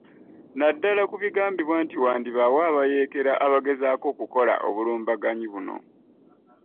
Naddala ku bigambibwa nti wandibaawo abayeekera abagezaako okukola obulumbaganyi buno